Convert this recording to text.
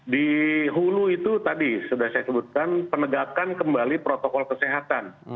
di hulu itu tadi sudah saya sebutkan penegakan kembali protokol kesehatan